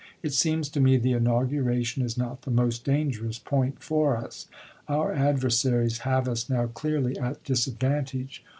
It seems to me the inauguration is not the most danger ous point for us. Our adversaries have us now clearly at LINCOLN'S CABINET 363 disadvantage.